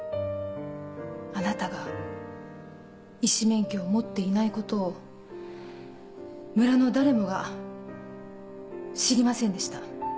あなたが医師免許を持っていないことを村の誰もが知りませんでした。